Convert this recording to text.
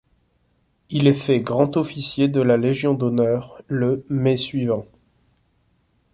Il est fait grand officier de la Légion d'honneur le mai suivant.